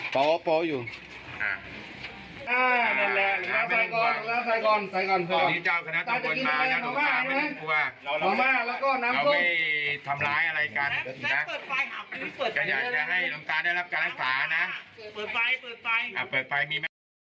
เปิดไฟมีไหม